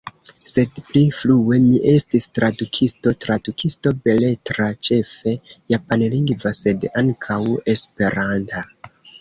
Sed pli frue mi estis tradukisto, tradukisto beletra, ĉefe japanlingva sed ankaŭ esperanta.